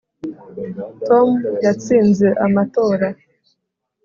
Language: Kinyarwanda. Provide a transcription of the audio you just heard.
tom yatsinze amatora